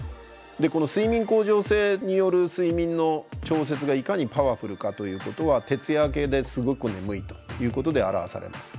この睡眠恒常性による睡眠の調節がいかにパワフルかということは徹夜明けですごく眠いということで表されます。